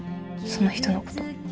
その人のこと。